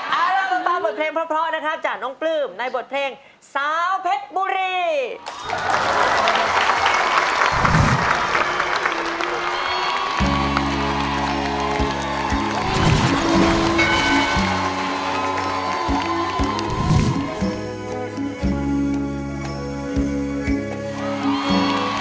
เอาล่ะมาฟังบทเพลงเพราะนะครับจากน้องปลื้มในบทเพลงสาวเพชรบุรี